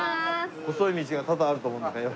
細い道が多々あると思うんですが。